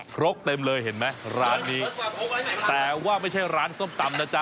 ครกเต็มเลยเห็นไหมร้านนี้แต่ว่าไม่ใช่ร้านส้มตำนะจ๊